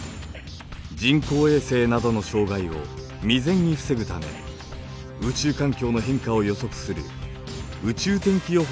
人工衛星などの障害を未然に防ぐため宇宙環境の変化を予測する宇宙天気予報を発表しています。